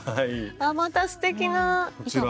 またすてきな。